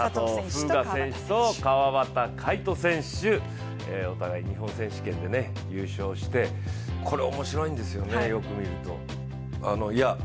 風雅選手と川端魁人選手、お互い、日本選手権で優勝して、これ面白いんですよね、よく見ると。